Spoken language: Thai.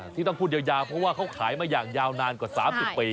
ที่ต้องพูดยาวเพราะว่าเขาขายมาอย่างยาวนานกว่า๓๐ปี